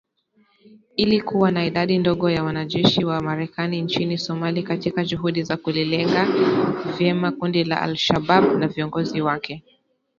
Ili kuwa na idadi ndogo ya wanajeshi wa Marekani nchini Somalia katika juhudi za kulilenga vyema kundi la al-Shabaab na viongozi wake